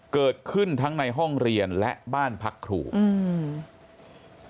เกิดขึ้นทั้งในห้องเรียนและบ้านพักครูอืม